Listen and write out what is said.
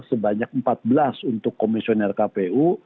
sebanyak empat belas untuk komisioner kpu